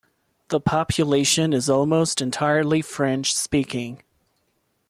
The population is almost entirely French-speaking.